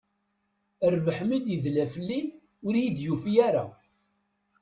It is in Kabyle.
Rrbeḥ mi d-yedla fell-i, ur iyi-d-yufi ara.